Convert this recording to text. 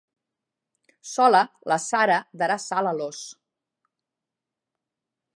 Sola, la Sara darà sal a l'ós.